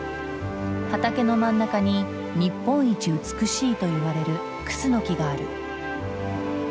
畑の真ん中に日本一美しいといわれるクスノキがある。